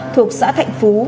thuộc xã thạnh phú